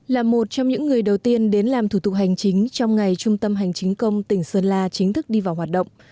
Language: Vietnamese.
là một trong những người đầu tiên đến làm thủ tục hành chính trong ngày trung tâm hành chính công tỉnh sơn la chính thức đi vào hoạt động